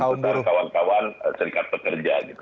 kalau itu menjadi tuntutan kawan kawan serikat pekerja